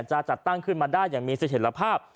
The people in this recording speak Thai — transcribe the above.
จะจัดตั้งขึ้นมาได้อย่างมีเสถียรภาพ